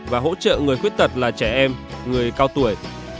và hỗ trợ người khuyết tật là trẻ em người cao tuổi